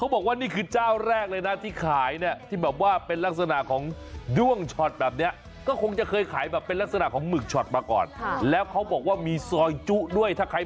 ปกติช็อตที่คุณซื้อช็อตเท่าไหร่